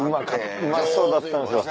うまそうだったんですよ。